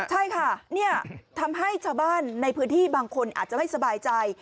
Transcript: ใช่ค่ะทำให้ชาวบ้านในพื้นที่บางคนอาจจะไม่สบายใจ